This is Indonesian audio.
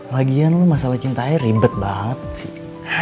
lagian lo masalah cintanya ribet banget sih